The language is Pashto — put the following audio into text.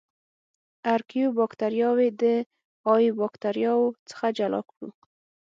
ارکیو باکتریاوې د ایو باکتریاوو څخه جلا کړو.